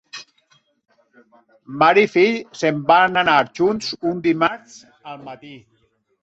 Mare i fill se'n van anar junts un dimarts al matí.